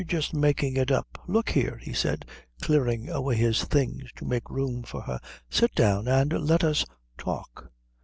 You're just making it up. Look here," he said, clearing away his things to make room for her, "sit down and let us talk.